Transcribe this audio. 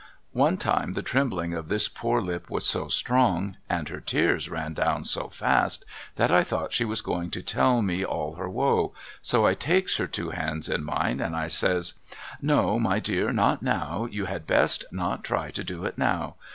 One time the trembling of this poor lip was so strong and her tears ran down so fast that I thought she was going to tell me all her woe, so I takes her two hands in mine and I says :' No my dear not now, you had best not try to do it now.